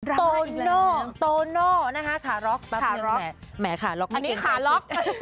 โตโน่โตโน่นะคะขาล็อกแบบนี้แหมขาล็อกอันนี้ขาล็อก